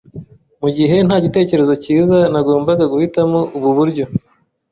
Mugihe nta gitekerezo cyiza nagombaga guhitamo ubu buryo.